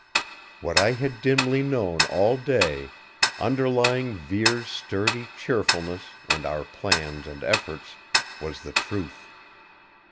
What I had dimly known all day, underlying Vere's sturdy cheerfulness and our plans and efforts, was the truth.